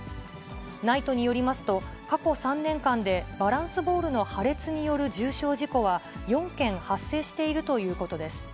ＮＩＴＥによりますと、過去３年間で、バランスボールの破裂による重傷事故は、４件発生しているということです。